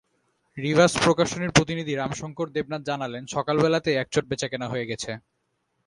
বিভাস প্রকাশনীর প্রতিনিধি রামশংকর দেবনাথ জানালেন, সকালবেলাতেই একচোট বেচাকেনা হয়ে গেছে।